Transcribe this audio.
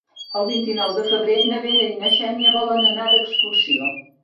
El vint-i-nou de febrer na Vera i na Xènia volen anar d'excursió.